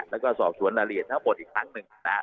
แล้วก็สอบสวนรายละเอียดทั้งหมดอีกครั้งหนึ่งนะฮะ